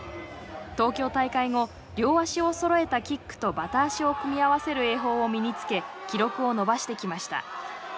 東京大会後両足をそろえたキックとバタ足を組み合わせる泳法を身につけ記録を伸ばしてきました。